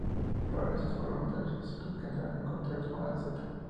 Paraliza temporalmente a los insectos que entran en contacto con la seta.